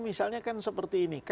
misalnya kan seperti ini